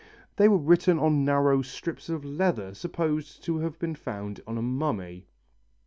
They were written on narrow strips of leather supposed to have been found on a mummy.